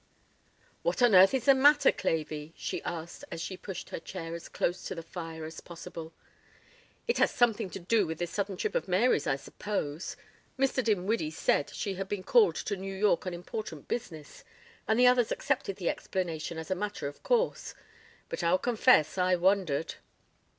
"What on earth is the matter, Clavey?" she asked as she pushed her chair as close to the fire as possible. "It has something to do with this sudden trip of Mary's, I suppose. Mr. Dinwiddie said she had been called to New York on important business, and the others accepted the explanation as a matter of course; but I'll confess I wondered."